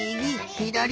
ひだり！